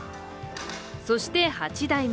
そして、八代目